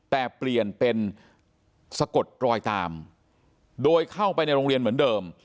แต่เปลี่ยนเป็นสะกดรอยตามโดยเข้าไปในโรงเรียนเหมือนเดิม